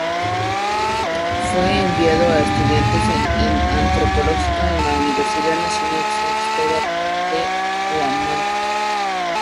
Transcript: Fue enviado a estudiar antropología en la Universidad Nacional de San Cristóbal de Huamanga.